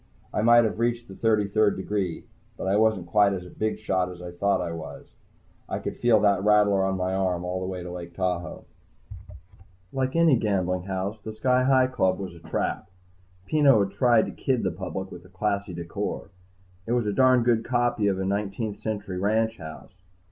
I might have reached the thirty third degree, but I wasn't quite as big a shot as I thought I was. I could feel that rattler on my arm all the way to Lake Tahoe. Like any gambling house, the Sky Hi Club was a trap. Peno had tried to kid the public with a classy decor. It was a darned good copy of a nineteenth century ranch house.